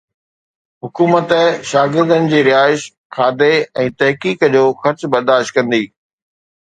حڪومت شاگردن جي رهائش، کاڌي ۽ تحقيق جو خرچ برداشت ڪندي.